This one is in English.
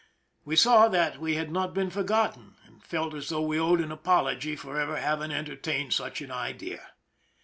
We saw that we had not been forgotten, and felt as though we owed an apology for ever having entertained such an idea.